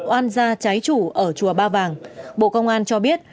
oan gia trái chủ ở chùa ba vàng bộ công an cho biết